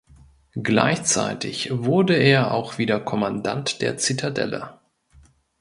Gleichzeitig wurde er auch wieder Kommandant der Zitadelle.